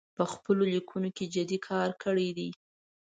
په خپلو لیکنو کې جدي کار کړی دی